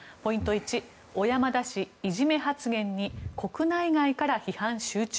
１小山田氏、いじめ発言に国内外から批判集中。